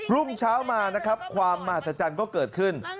รุ่งเช้ามานะครับความมหัศจรรย์ก็เกิดขึ้น